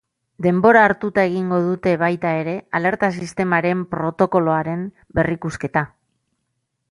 Denbora hartuta egingo dute, baita ere, alerta sistemaren protokoloaren berrikusketa.